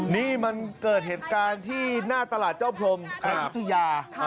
นี่มันเกิดเหตุการณ์ที่หน้าตลาดเจ้าพรมอายุทยา